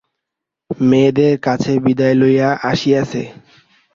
মেয়েদের কাছে বিদায় লইয়া আসিয়াছে।